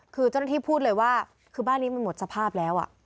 คือเจ้าหน้าที่พูดเลยว่าคือบ้านนี้มันหมดสภาพแล้ว